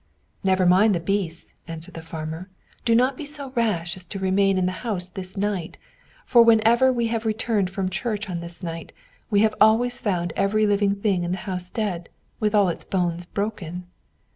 "Never mind the beasts," answered the farmer. "Do not be so rash as to remain in the house this night; for whenever we have returned from church on this night, we have always found every living thing in the house dead, with all its bones broken."